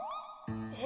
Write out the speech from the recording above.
え？